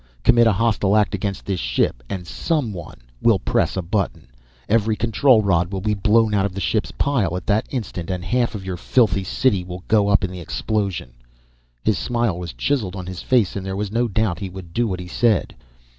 Commit a hostile act against this ship and someone will press a button. Every control rod will be blown out of the ship's pile at that instant and half your filthy city will go up in the explosion." His smile was chiseled on his face and there was no doubt he would do what he said.